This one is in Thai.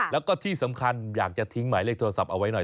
แล้วก็ที่สำคัญอยากจะทิ้งหมายเลขโทรศัพท์เอาไว้หน่อย